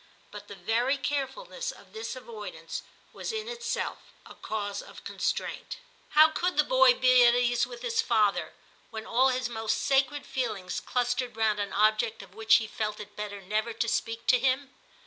But the very carefulness of this avoidance was in itself a cause of constraint. How could the boy be at ease with his father when all his most sacred feelings clustered 214 ^^^ CHAP. round an object of which he felt it better never to speak to him